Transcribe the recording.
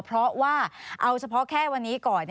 เพราะว่าเอาเฉพาะแค่วันนี้ก่อน